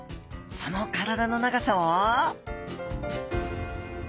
その体の長さは？